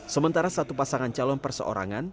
sementara satu pasangan calon perseorangan